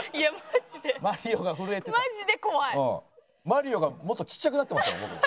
マリオがもっとちっちゃくなってましたよ。